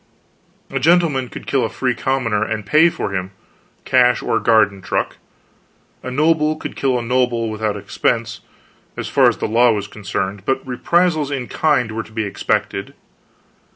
A gentleman could kill a free commoner, and pay for him cash or garden truck. A noble could kill a noble without expense, as far as the law was concerned, but reprisals in kind were to be expected.